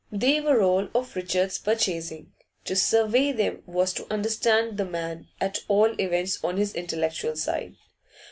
They were all of Richard's purchasing; to survey them was to understand the man, at all events on his intellectual side.